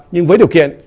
nhưng với điều kiện